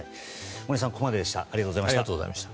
森さんはここまででした。